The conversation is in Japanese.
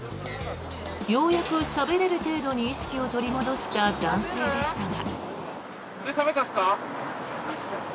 ようやくしゃべれる程度に意識を取り戻した男性でしたが。